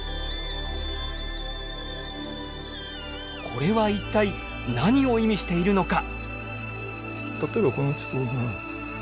これは一体何を意味しているのか。